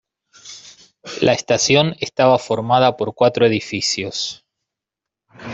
La estación estaba formada por cuatro edificios.